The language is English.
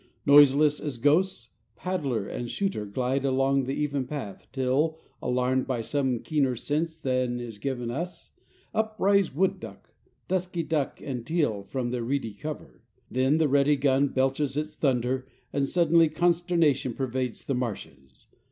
Noiseless as ghosts, paddler and shooter glide along the even path till, alarmed by some keener sense than is given us, up rise wood duck, dusky duck, and teal from their reedy cover. Then the ready gun belches its thunder, and suddenly consternation pervades the marshes.